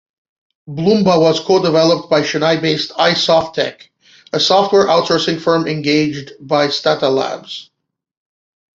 Bloomba was co-developed by Chennai-based iSoftTech, a software outsourcing firm engaged by Stata Labs.